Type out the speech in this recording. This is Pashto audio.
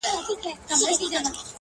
نن د پايزېب په شرنگهار راته خبري کوه!!